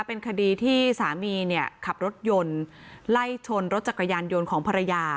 เป็นคดีที่สามีเนี่ยขับรถยนต์ไล่ชนรถจักรยานยนต์ของภรรยา